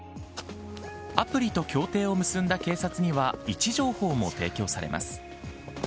アプリと協定を結んだ警察には、位置情報も提供されます。